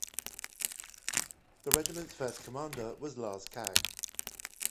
The regiment's first commander was Lars Kagg.